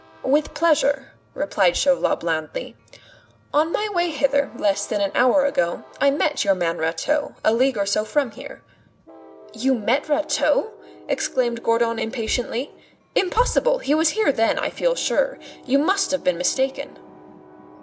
"With pleasure," replied Chauvelin blandly. "On my way hither, less than an hour ago, I met your man Rateau, a league or so from here." "You met Rateau!" exclaimed Gourdon impatiently. "Impossible! He was here then, I feel sure. You must have been mistaken."